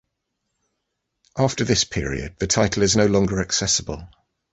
After this period, the title is no longer accessible.